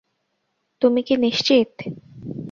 তুমি কি নিশ্চিত?